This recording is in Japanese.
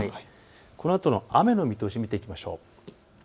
このあとの雨の見通しを見ていきましょう。